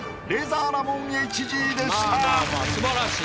素晴らしい。